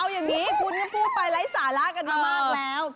เอาอย่างงี้คุณก็พูดไปไร้สาระกันมาก